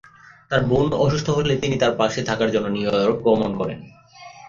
তার বোন অসুস্থ হলে তিনি তার পাশে থাকার জন্য নিউইয়র্ক গমন করেন।